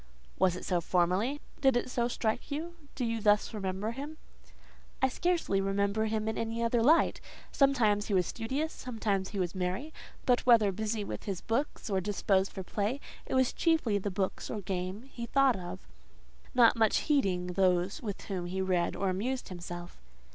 "Was it so formerly? Did it so strike you? Do you thus remember him?" "I scarcely remember him in any other light. Sometimes he was studious; sometimes he was merry: but whether busy with his books or disposed for play, it was chiefly the books or game he thought of; not much heeding those with whom he read or amused himself."